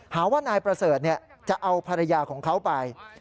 หาว่านายประเสริฐจะเอาภรรยาของเขาไป